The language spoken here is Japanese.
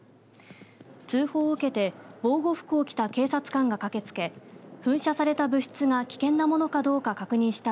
通報を受けて防護服を着た警察官が駆けつけ噴射された物質が危険なものかどうか確認した